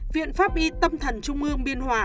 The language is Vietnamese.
viện pháp y tâm thần trung ương biên hòa